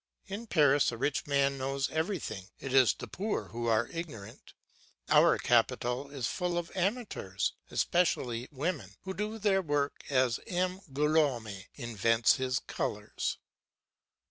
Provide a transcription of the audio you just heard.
In Paris a rich man knows everything, it is the poor who are ignorant. Our capital is full of amateurs, especially women, who do their work as M. Gillaume invents his colours.